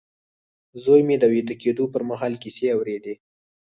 زوی مې د ويده کېدو پر مهال کيسې اورېدې.